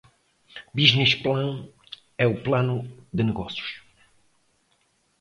Business Plan é o plano de negócios.